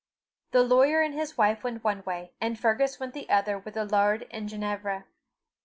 The lawyer and his wife went one way, and Fergus went the other with the laird and Ginevra.